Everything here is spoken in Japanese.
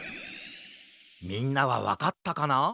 みんなはわかったかな？